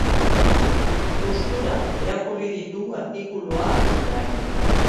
Gustura irakurri ditu artikuluak online.